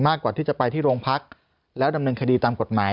กว่าที่จะไปที่โรงพักแล้วดำเนินคดีตามกฎหมาย